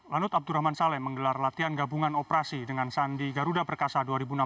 lanut abdurrahman saleh menggelar latihan gabungan operasi dengan sandi garuda perkasa dua ribu enam belas